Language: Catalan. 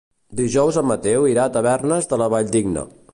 Dijous en Mateu irà a Tavernes de la Valldigna.